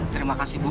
terima kasih bu